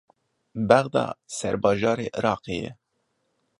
Bexda serbajarê Iraqê ye.